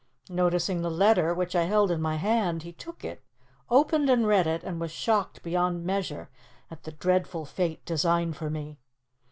Noticing the letter, which I held in my hand, he took it, opened and read it, and was shocked beyond measure at the dreadful fate designed for me.